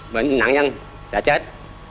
bệnh nặng nhân sẽ chết